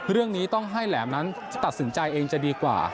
เรื่องนี้ต้องให้แหลมนั้นจะตัดสินใจเองจะดีกว่า